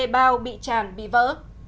bao bị tràn bị vỡ